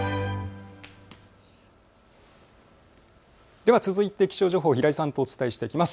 では続いて気象情報、平井さんとお伝えしていきます。